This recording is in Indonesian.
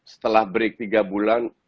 setelah break tiga bulan